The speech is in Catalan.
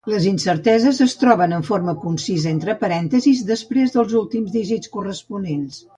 Les incerteses es troben en forma concisa entre parèntesis després dels últims dígits corresponents.